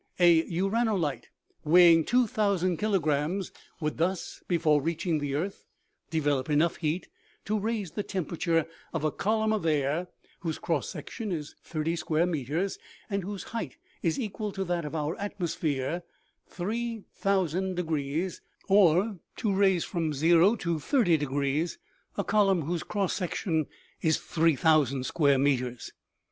A uranolite weighing 2000 kilograms would thus, before reaching the earth, develop enough heat to raise the temperature of a column of air, whose cross section is. thirty square meters and whose height is equal to that of our atmosphere, 3000, or, to raise from o to 30 a column whose cross section is 3000 square meters.